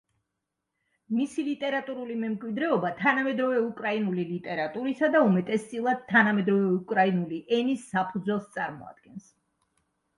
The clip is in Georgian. მისი ლიტერატურული მემკვიდრეობა თანამედროვე უკრაინული ლიტერატურისა და, უმეტესწილად, თანამედროვე უკრაინული ენის საფუძველს წარმოადგენს.